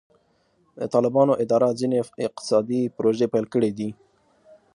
د طالبانو اداره ځینې اقتصادي پروژې پیل کړي دي.